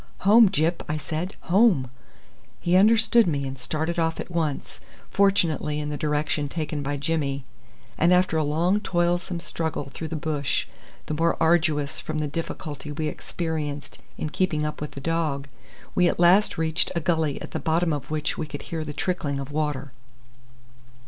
"Home, Gyp!" I said. "Home!" He understood me and started off at once, fortunately in the direction taken by Jimmy, and after a long toilsome struggle through the bush, the more arduous from the difficulty we experienced in keeping up with the dog, we at last reached a gully at the bottom of which we could hear the trickling of water.